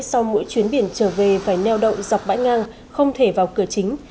sau mỗi chuyến biển trở về phải neo đậu dọc bãi ngang không thể vào cửa chính